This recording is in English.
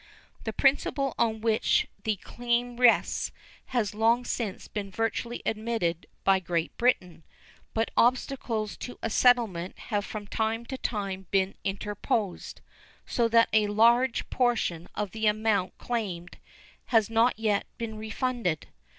The principle on which the claim rests has long since been virtually admitted by Great Britain, but obstacles to a settlement have from time to time been interposed, so that a large portion of the amount claimed has not yet been refunded.